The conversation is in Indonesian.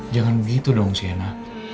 jangan begitu dong siena